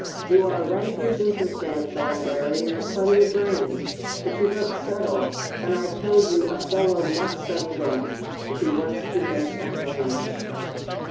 You are a right good business man, Thornbury, and have plenty of brains, but you don't settle, and I tell you a fellow must settle down, if he wants to make a man of himself."